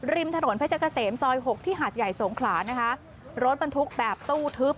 ริมถนนเพชรเกษมซอยหกที่หาดใหญ่สงขลานะคะรถบรรทุกแบบตู้ทึบ